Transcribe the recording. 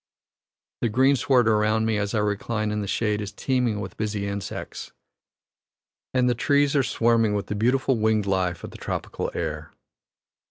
The greensward around me as I recline in the shade is teeming with busy insects, and the trees are swarming with the beautiful winged life of the tropical air.